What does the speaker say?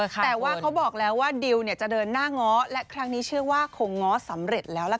แต่ว่าเขาบอกแล้วว่าดิวจะเดินหน้าง้อและครั้งนี้เชื่อว่าคงง้อสำเร็จแล้วล่ะค่ะ